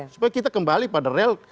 supaya kita kembali pada real